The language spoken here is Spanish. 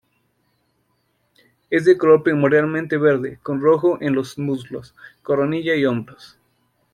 Es de color primordialmente verde, con rojo en los muslos, coronilla y hombros.